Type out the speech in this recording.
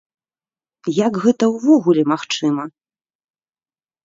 Як гэта ўвогуле магчыма?